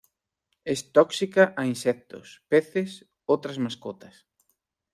Es tóxica a insectos, peces, otras mascotas.